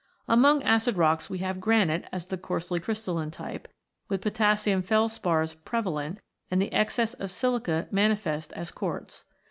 Among acid rocks we have granite as the coarsely crystalline type, with potassium felspars prevalent and the excess of silica manifest as quartz.